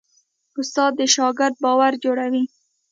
استاد د شاګرد باور جوړوي.